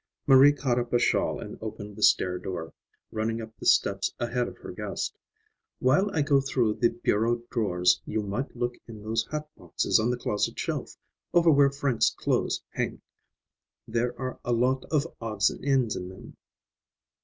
Marie caught up a shawl and opened the stair door, running up the steps ahead of her guest. "While I go through the bureau drawers, you might look in those hat boxes on the closet shelf, over where Frank's clothes hang. There are a lot of odds and ends in them."